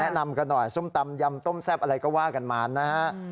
แนะนำกันหน่อยส้มตำยำต้มแซ่บอะไรก็ว่ากันมานะฮะ